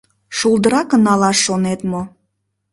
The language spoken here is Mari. Шулдыракын налаш шонет мо?